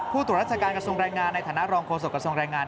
ตรวจราชการกระทรวงแรงงานในฐานะรองโฆษกระทรวงแรงงาน